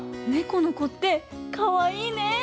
この子ってかわいいね！